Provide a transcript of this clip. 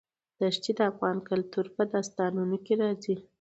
دښتې د افغان کلتور په داستانونو کې راځي.